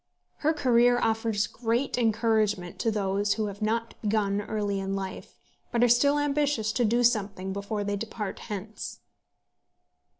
Her career offers great encouragement to those who have not begun early in life, but are still ambitious to do something before they depart hence.